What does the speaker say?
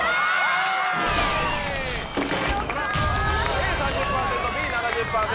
Ａ３０％Ｂ７０％。